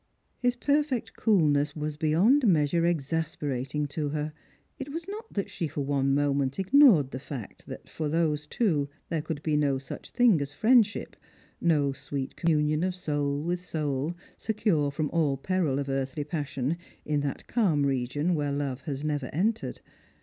His perfect coolness was beyond measure exasperating to her. It was not that she for one moment ignored the fact that for those two there could be no such thing as friendship — no swee< communion of soul with soul, secure from all peril of earthly passion, in that calm region where love has never entered.